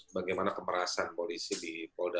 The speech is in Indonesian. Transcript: bagaimana pemerasan polisi di polda